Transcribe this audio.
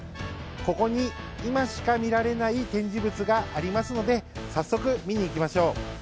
ここに今しか見られない展示物がありますので早速、見に行きましょう。